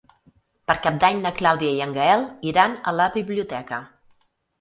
Per Cap d'Any na Clàudia i en Gaël iran a la biblioteca.